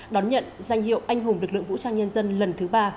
đón nhận danh hiệu anh hùng lực lượng vũ trang nhân dân lần thứ ba